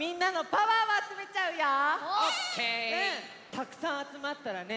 たくさんあつまったらね